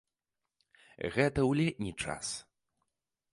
Гэта ў летні час.